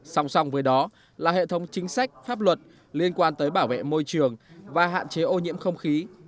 song song với đó là hệ thống chính sách pháp luật liên quan tới bảo vệ môi trường và hạn chế ô nhiễm không khí